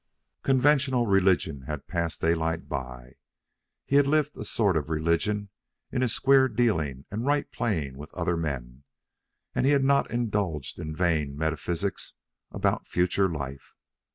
Conventional religion had passed Daylight by. He had lived a sort of religion in his square dealing and right playing with other men, and he had not indulged in vain metaphysics about future life.